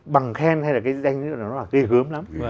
bằng khen hay là cái danh nó là ghê hướng lắm